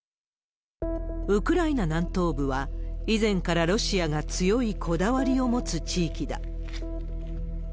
ウクライナ南東部は、以前からロシアが強いこだわりを持つ地域だ。